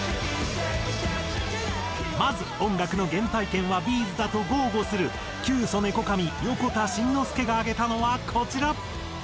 まず音楽の原体験はＢ’ｚだと豪語するキュウソネコカミヨコタシンノスケが挙げたのはこちら。